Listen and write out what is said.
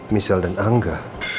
misal dan angga